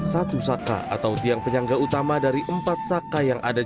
satu saka atau tiang penyangga utama dari empat saka yang ada di